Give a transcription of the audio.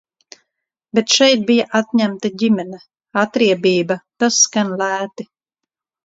Bet šeit bija atņemta ģimene. Atriebība, tas skan lēti.